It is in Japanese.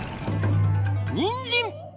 にんじん！